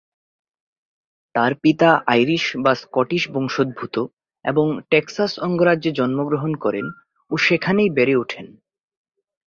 তার পিতা আইরিশ বা স্কটিশ বংশোদ্ভূত এবং টেক্সাস অঙ্গরাজ্যে জন্মগ্রহণ করেন ও সেখানেই বেড়ে ওঠেন।